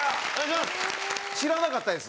知らなかったです。